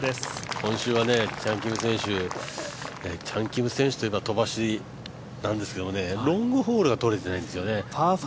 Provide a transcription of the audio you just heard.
今週はチャン・キム選手というのは飛ばしなんですけどロングホールがとれてないんですよね。